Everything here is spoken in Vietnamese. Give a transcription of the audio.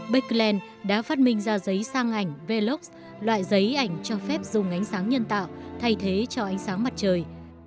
bạc kỳ lên đã phát minh ra giấy sang ảnh velox loại giấy ảnh cho phép dùng ánh sáng nhân tạo thay thế cho ánh sáng mặt trời